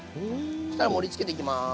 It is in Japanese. そしたら盛りつけていきます。